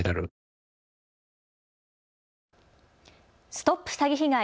ＳＴＯＰ詐欺被害！